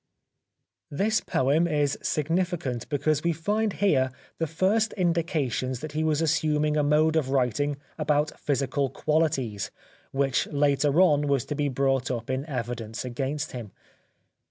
This poem is signi ficant, because we find here the first indications that he was assuming a mode of writing about physical qualities which later on was to be brought up in evidence against him.